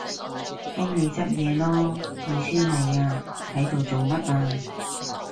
幫你執嘢囉！你先係啊，喺度做乜啊？